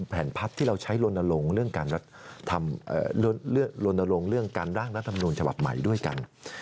แผนพัดที่เราใช้ลนลงเรื่องการล้างรัฐธรรมนูญฉบับใหม่ด้วยกัน